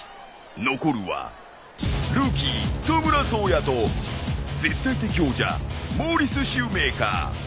残るはルーキートムラ颯也と絶対的王者モーリスシューメーカー。